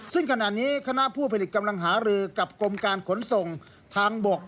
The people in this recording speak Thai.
ซึ่งขณะนี้คณะผู้ผลิตกำลังหารือกับกรมการขนส่งทางบก